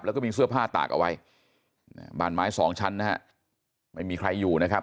แล้วก็มีเสื้อผ้าตากเอาไว้บ้านไม้สองชั้นนะฮะไม่มีใครอยู่นะครับ